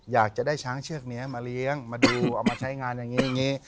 อยากจะได้ช้างเชือกนี้มาเลี้ยงมาดูเอามาใช้งานอย่างนี้อย่างนี้